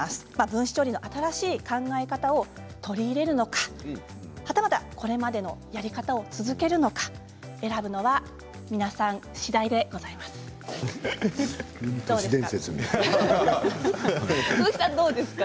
分子調理の新しい考え方を取り入れるのかはたまた、これまでのやり方を続けるのか選ぶのは皆さん次第でございます。